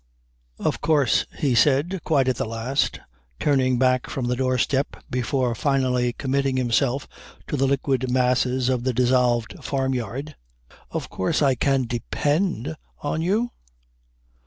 "Of course," he said quite at the last, turning back from the doorstep before finally committing himself to the liquid masses of the dissolved farmyard "of course I can depend on you?"